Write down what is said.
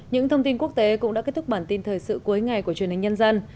những thông tin quốc tế cũng đã kết thúc bản tin thời sự cuối ngày của truyền hình nhân dân